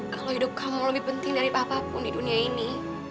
kalau hidup kamu lebih penting dari apa apa pun di dunia ini